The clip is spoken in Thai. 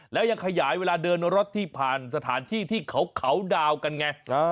แล้วยังขยายเวลาเดินรถที่ผ่านสถานที่ที่เขาดาวกันไง